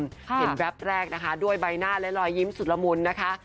เห็นแวบแรกนะคะด้วยใบหน้าและรอยยิ้มสุดละมุนนะคะ